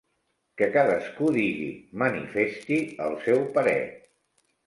Que cadascú digui, manifesti, el seu parer.